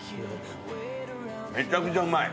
めちゃくちゃうまい。